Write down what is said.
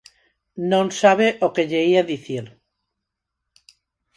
Non sabe o que lle ía dicir.